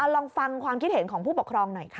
ลองฟังความคิดเห็นของผู้ปกครองหน่อยค่ะ